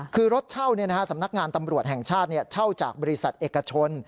คือรถเช่าสำนักงานตำรวจแห่งชาติเช่าจากบริษัทเอกชน